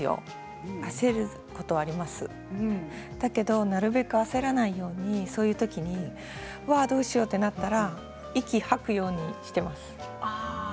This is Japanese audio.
だけど、なるべく焦らないようにそういう時にはどうしようとなったら息を吐くようにしています。